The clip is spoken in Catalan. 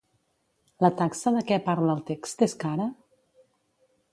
La taxa de què parla el text és cara?